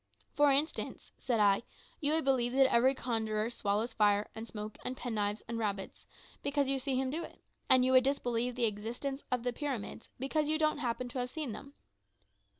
"For instance," said I, "you would believe that every conjurer swallows fire, and smoke, and penknives, and rabbits, because you see him do it; and you would disbelieve the existence of the pyramids, because you don't happen to have seen them."